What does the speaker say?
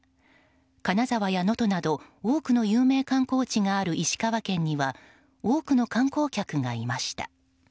金沢や能登など多くの有名観光地がある石川県には多くの観光客がいました。